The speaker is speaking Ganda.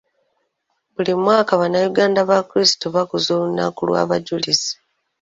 Buli mwaka bannayuganda abakrisito bakuza olunaku lw'abajulizi.